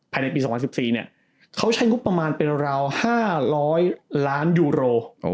ภายในปี๒๐๑๔เขาใช้งบประมาณเป็นราว๕๐๐ล้านยูโร